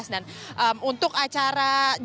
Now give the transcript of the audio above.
dan untuk acara jadwalnya